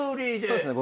そうですね。